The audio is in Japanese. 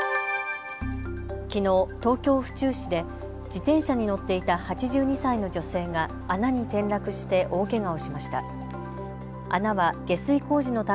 きのう東京府中市で自転車に乗っていた８２歳の女性が穴に転落して大けがをしました。